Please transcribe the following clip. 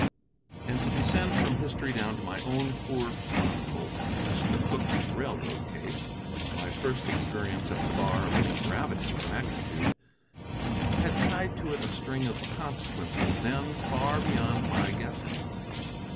And to descend from history down to my own poor chronicle, Mr. Cooke's railroad case, my first experience at the bar of any gravity or magnitude, had tied to it a string of consequences then far beyond my guessing.